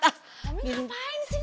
kamu ngapain sih ngelamun begitu